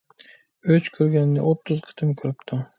ئۆچ كۆرگەننى ئوتتۇز قېتىم كۆرۈپتۇ.